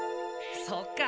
そっか。